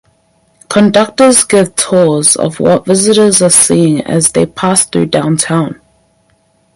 Conductors give tours of what visitors are seeing as they pass through downtown.